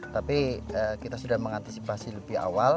tapi kita sudah mengantisipasi lebih awal